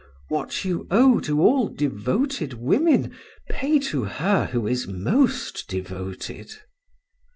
What you owe to all devoted women, pay to her who is most devoted.